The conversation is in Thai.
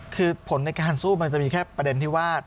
คือผลในการสู้มันจะมีแค่ประเด็นที่ว่า